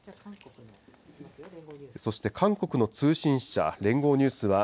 そして韓国の通信社、連合ニュースは、